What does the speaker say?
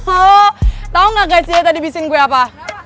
oh tau gak guys tadi bisin gue apa